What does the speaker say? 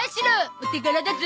お手柄だゾ。